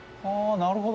なるほど。